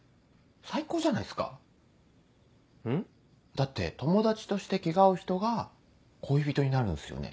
だって友達として気が合う人が恋人になるんすよね。